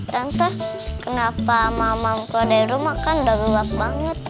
tante kenapa mama muka dari rumah kan udah gelap banget